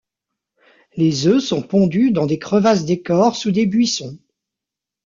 Les œufs sont pondus dans des crevasses d'écorces ou des buissons.